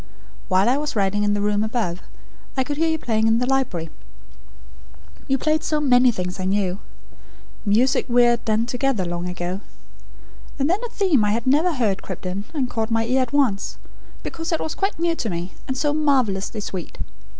While I was writing in the room above, I could hear you playing in the library. You played many things I knew music we had done together, long ago. And then a theme I had never heard crept in, and caught my ear at once, because it was quite new to me, and so marvellously sweet.